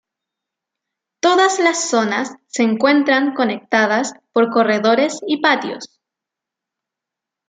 Todas las zonas se encuentran conectadas por corredores y patios.